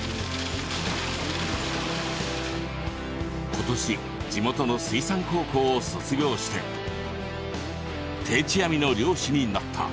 今年地元の水産高校を卒業して定置網の漁師になった。